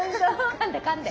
かんでかんで。